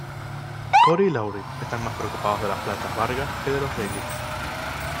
Cory y Lowery están más preocupados de las plantas Varga que de los Daleks.